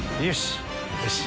よし。